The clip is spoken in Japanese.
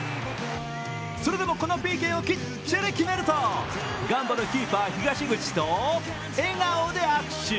それでも、このＰＫをきっちり決めるとガンバのキーパー・東口と笑顔で握手。